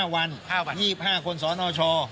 ๕วัน๒๕คนสนช